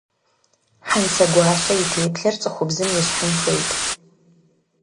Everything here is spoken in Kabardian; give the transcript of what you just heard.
Хьэнцэгуащэ и теплъэр цӏыхубзым ещхьын хуейт.